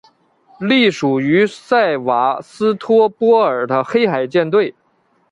隶属于塞瓦斯托波尔的黑海舰队。